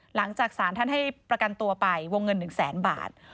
หลังจากสารท่านให้ประกันตัวไปวงเงิน๑แสนบาท